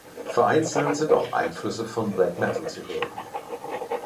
Vereinzelt sind auch Einflüsse von Black Metal zu hören.